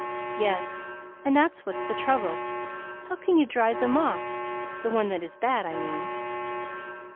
"Yes; and that's what's the trouble. How can you drive them off the one that is bad, I mean?"